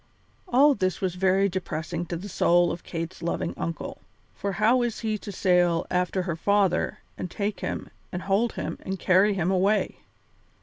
All this was very depressing to the soul of Kate's loving uncle, for how was he to sail after her father and take him and hold him and carry him away?